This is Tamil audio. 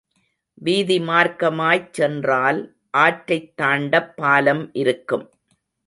வீதி மார்க்கமாய்ச் சென்றால், ஆற்றைத் தாண்டப் பாலம் இருக்கும்.